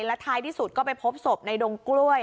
และท้ายที่สุดก็ไปพบศพในดงกล้วย